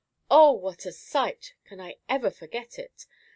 Oh, that sight! can I ever forget it?